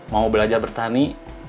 mau belajar bertani